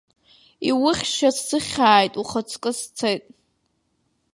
Иухьша сыхьит, ухаҵкы сцеит.